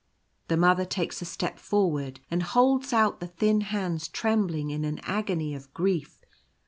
The Mother takes a step forward, and holds out the thin hands trembling in an agony of grief.